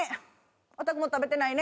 おたくも食べてないね。